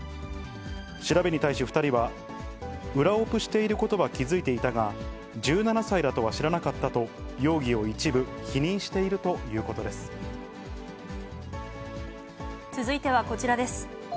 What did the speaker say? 調べに対し、２人は裏オプしていることは気付いていたが、１７歳だとは知らなかったと、容疑を一部否認しているというこ続いてはこちらです。